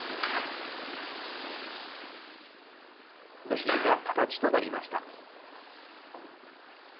部品が形となりました。